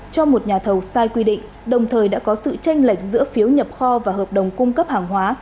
cho một nhà thầu sai quy định đồng thời đã có sự tranh lệch giữa phiếu nhập kho và hợp đồng cung cấp hàng hóa